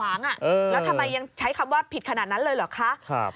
แล้วทำไมยังใช้คำว่าผิดขนาดนั้นเลยเหรอคะ